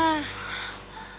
gak usah pake banyak bawel